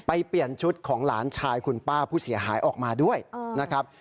เปลี่ยนชุดของหลานชายคุณป้าผู้เสียหายออกมาด้วยนะครับ